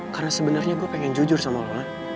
karena sebenernya gue pengen jujur sama lo